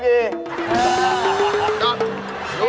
ดีแล้วสวยแหละ